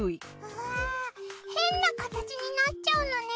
わぁ変なかたちになっちゃうのね。